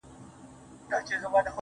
ولاړ انسان به وي ولاړ تر اخریته پوري.